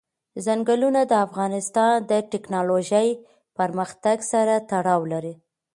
ځنګلونه د افغانستان د تکنالوژۍ پرمختګ سره تړاو لري.